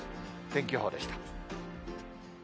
天気予報でした。